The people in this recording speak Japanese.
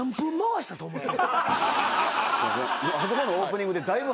あそこのオープニングでだいぶ。